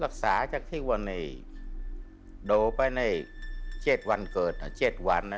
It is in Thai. รักษาจากที่วันอีกโดไปในเจ็ดวันเกิดนะเจ็ดวัน